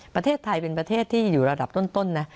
ประเทศไทยเป็นประเทศที่อยู่ระดับต้นนะ